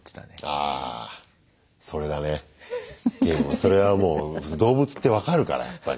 それはもう動物って分かるからやっぱり。